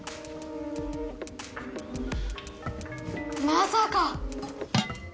まさか！